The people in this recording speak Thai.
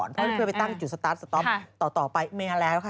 เพราะเขาเรียกว่าไปตั้งจุดสตาร์ทสต๊อปต่อไปไม่แล้วค่ะ